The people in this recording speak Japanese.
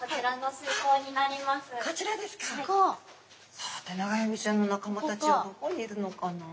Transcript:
さあテナガエビちゃんの仲間たちはどこにいるのかな？